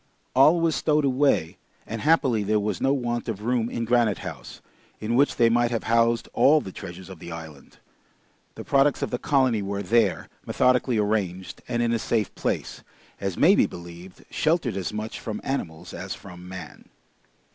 All was stowed away, and happily there was no want of room in Granite House, in which they might have housed all the treasures of the island. The products of the colony were there, methodically arranged, and in a safe place, as may be believed, sheltered as much from animals as from man.